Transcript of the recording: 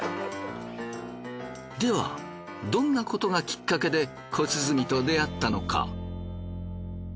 ではどんなことがきっかけで小鼓と出会ったのか。